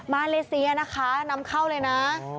มาเลเซียนะคะนำเข้าเลยนะ